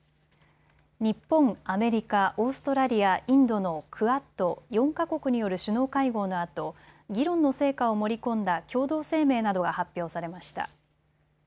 日本、アメリカ、オーストラリア、インドのクアッド・４か国による首脳会合のあと議論の成果を盛り込んだ共同声明などが発表されました。